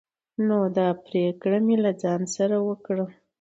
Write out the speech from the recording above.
نو دا پريکړه مې له ځان سره وکړه